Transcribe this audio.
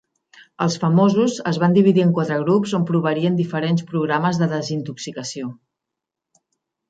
Els famosos es van dividir en quatre grups on provarien diferents programes de desintoxicació.